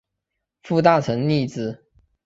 副大臣贰之。